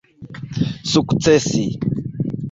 sukcesi